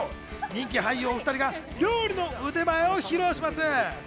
人気俳優お２人が料理の腕前を披露します。